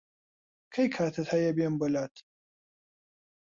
کەی کاتت هەیە بێم بۆلات؟